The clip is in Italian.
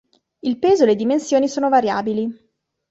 Il peso e le dimensioni sono variabili.